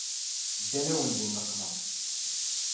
Ddan-awen di nneqma.